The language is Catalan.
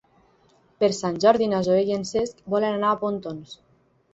Per Sant Jordi na Zoè i en Cesc volen anar a Pontons.